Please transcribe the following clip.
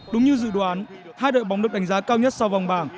đúng như dự đoán hai đội bóng được đánh giá cao nhất sau vòng bảng